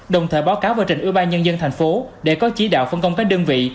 đồng thời báo cáo vơ trình ủy ban nhân dân tp hcm để có chỉ đạo phân công các đơn vị